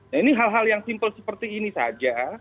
nah ini hal hal yang simpel seperti ini saja